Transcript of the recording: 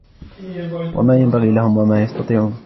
وما ينبغي لهم وما يستطيعون